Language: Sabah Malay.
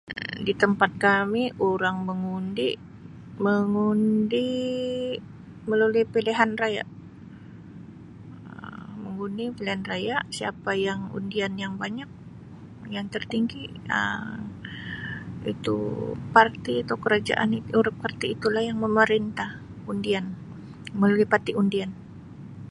Um Di tempat kami orang mengundi mengundi melalui pilihan raya Um mengundi pilhan raya siapa yang undian yang banyak yang tertinggi Um itu parti atau kerajaan parti itu lah yang memerintah undian melalui pati undian.